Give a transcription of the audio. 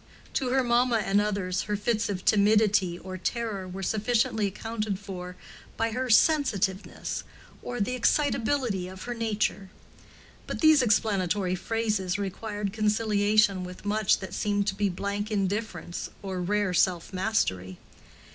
To her mamma and others her fits of timidity or terror were sufficiently accounted for by her "sensitiveness" or the "excitability of her nature"; but these explanatory phrases required conciliation with much that seemed to be blank indifference or rare self mastery.